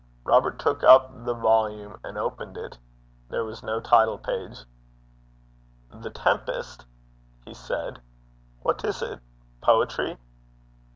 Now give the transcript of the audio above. Robert took up the volume and opened it. There was no title page. 'The Tempest?' he said. 'What is 't? Poetry?'